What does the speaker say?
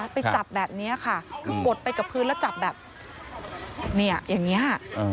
ไปจับแบบนี้ค่ะคือกดไปกับพื้นแล้วจับแบบเนี่ยอย่างนี้